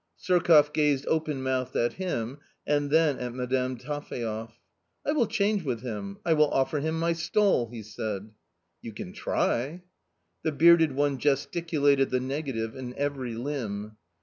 Surkoff gazed open mouthed at him and then at Madame Taphaev. " I will change with him ; I will offer him my stall," he said. " You can try." The bearded one gesticulated the negative in every limb.